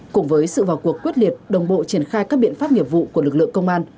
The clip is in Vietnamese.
cùng với sự vào cuộc quyết liệt đồng bộ triển khai các biện pháp nghiệp vụ của lực lượng công an